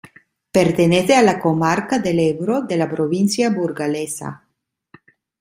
Pertenece a la Comarca del Ebro de la provincia burgalesa.